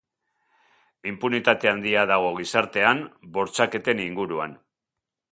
Inpunitate handia dago gizartean bortxaketen inguruan.